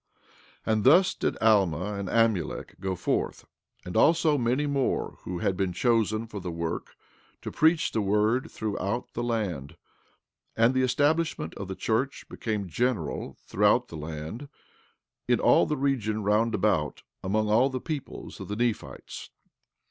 16:15 And thus did Alma and Amulek go forth, and also many more who had been chosen for the work, to preach the word throughout all the land. And the establishment of the church became general throughout the land, in all the region round about, among all the people of the Nephites.